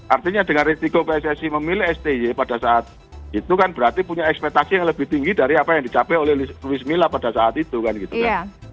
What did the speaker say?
artinya dengan risiko pssi memilih sti pada saat itu kan berarti punya ekspektasi yang lebih tinggi dari apa yang dicapai oleh luis mila pada saat itu kan gitu kan